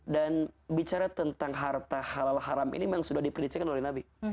dan bicara tentang harta halal haram ini memang sudah diprediksi oleh nabi